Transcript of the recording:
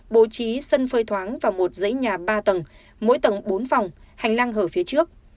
bố trí sân phơi thoáng và một dãy nhà ba tầng mỗi tầng bốn phòng hành lang hở phía trước